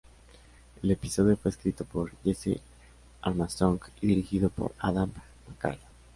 El episodio fue escrito por Jesse Armstrong y dirigido por Adam McKay.